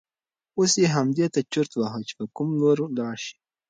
اوس یې همدې ته چرت واهه چې په کوم لور ولاړ شي.